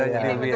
jadi lebih enak